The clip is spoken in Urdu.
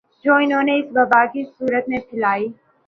جو انھوں نے اس وبا کی صورت میں پھیلائی